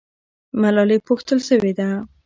ملالۍ پوښتل سوې ده.